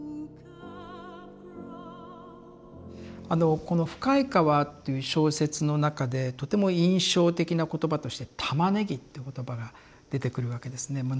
あのこの「深い河」っていう小説の中でとても印象的な言葉として「玉ねぎ」っていう言葉が出てくるわけですね